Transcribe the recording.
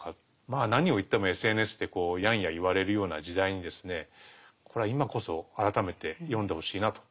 まあ何を言ってもＳＮＳでやんや言われるような時代にですねこれは今こそ改めて読んでほしいなと。